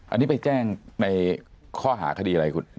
อันนี้ไปแจ้งในข้อหาคดีอะไรคุณ